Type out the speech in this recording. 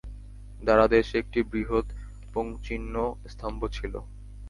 দ্বারদেশে একটি বৃহৎ পুংচিহ্ন স্তম্ভ ছিল।